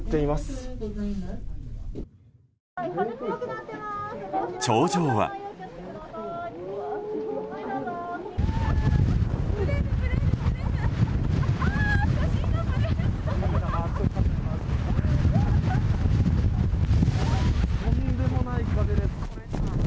とんでもない風です。